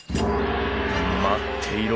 待っていろ！